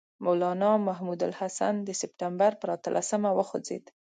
مولنا محمود الحسن د سپټمبر پر اتلسمه وخوځېد.